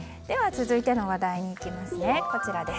では続いての話題にいきます。